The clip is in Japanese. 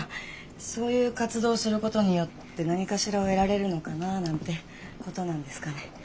そういう活動をすることによって何かしらを得られるのかななんてことなんですかね。